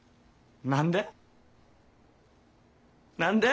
何で？